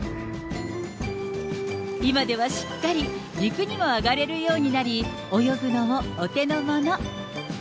今ではしっかり陸にも上がれるようになり、泳ぐのもお手の物。